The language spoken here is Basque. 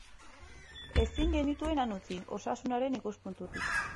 Ezin genituen han utzi, osasunaren ikuspuntutik.